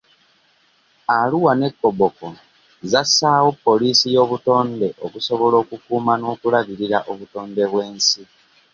Arua ne Koboko zassaawo poliisi y'obutonde okusobola okukuuma n'okulabirira obutonde bw'ensi.